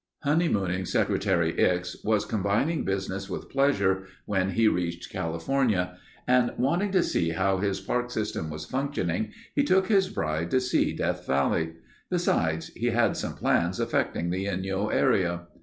Honeymooning Secretary Ickes was combining business with pleasure when he reached California and wanting to see how his Park System was functioning, he took his bride to see Death Valley. Besides, he had some plans affecting the Inyo area.